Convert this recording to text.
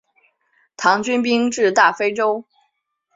唐军兵至大非川。